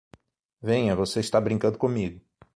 Venha, você está brincando comigo!